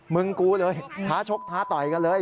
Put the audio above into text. มึงกูเลยท้าชกท้าต่อยกันเลย